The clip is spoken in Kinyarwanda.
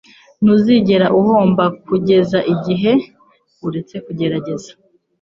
Ntuzigera uhomba kugeza igihe uretse kugerageza.”